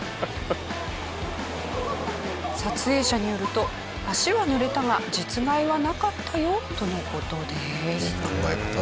撮影者によると足は濡れたが実害はなかったよという事です。